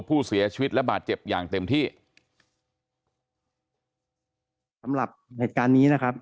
ผู้เสียชีวิตและบาดเจ็บอย่างเต็มที่สำหรับเหตุการณ์นี้นะครับ